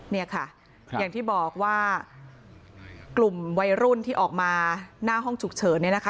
เนี่ยค่ะอย่างที่บอกว่ากลุ่มวัยรุ่นที่ออกมาหน้าห้องฉุกเฉินเนี่ยนะคะ